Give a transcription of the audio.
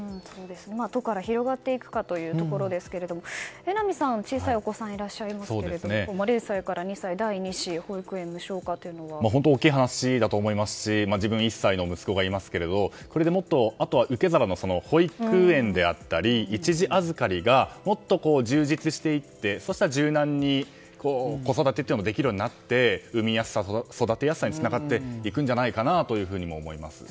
都から広がっていくかというところですが榎並さん、小さいお子さんがいらっしゃいますが０歳から２歳、第２子保育園無償化というのは。本当に大きい話だと思いますし自分１歳の息子がいますがあとは、受け皿の保育園であったり、一時預かりがもっと充実していってそうしたら柔軟に子育てもできるようになって産みやすさ、育てやすさにつながっていくんじゃないかなと思います。